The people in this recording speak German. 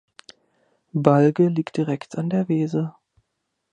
Balge liegt direkt an der Weser.